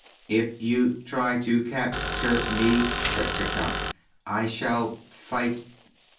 "If you try to cap ture me," said Tik Tok, "I shall fight."